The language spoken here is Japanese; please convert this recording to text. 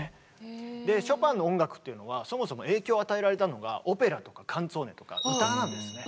ショパンの音楽っていうのはそもそも影響を与えられたのがオペラとかカンツォーネとか歌なんですね。